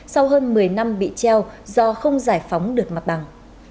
sau hơn một mươi năm bị treo do không giải phóng được mặt bằng